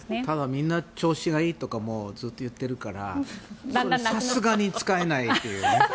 ただ、みんな調子がいいとかずっと言っているからさすがに使えない。